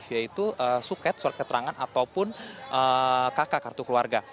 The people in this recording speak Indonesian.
yaitu suket surat keterangan ataupun kk kartu keluarga